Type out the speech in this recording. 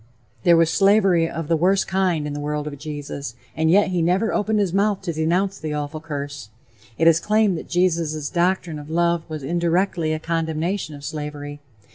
There was slavery of the worst kind in the world of Jesus, and yet he never opened his mouth to denounce the awful curse. It is claimed that Jesus' doctrine of love was indirectly a condemnation of slavery.